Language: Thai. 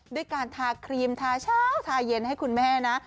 ด้วยการทาครีมทาเช้าทาเย็นให้คุณแม่นะ